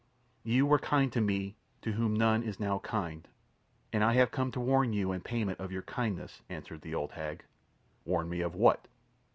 "You were kind to me to whom none is now kind, and I have come to warn you in payment of your kindness," answered the old hag. "Warn me of what?"